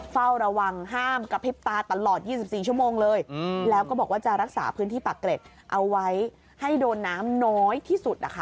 เฝ้าระวังห้ามกระพริบตาตลอด๒๔ชั่วโมงเลยแล้วก็บอกว่าจะรักษาพื้นที่ปากเกร็ดเอาไว้ให้โดนน้ำน้อยที่สุดนะคะ